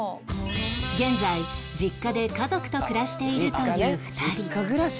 現在実家で家族と暮らしているという２人